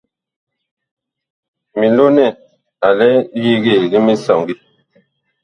Milonɛ a lɛ li yegee li misɔŋgi.